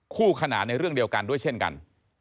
คู่ขนานในเรื่องเดียวกันด้วยเช่นกัน